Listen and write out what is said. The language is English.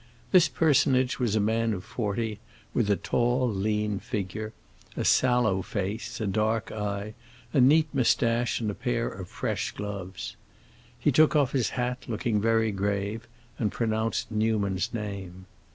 This personage was a man of forty, with a tall lean figure, a sallow face, a dark eye, a neat moustache, and a pair of fresh gloves. He took off his hat, looking very grave, and pronounced Newman's name.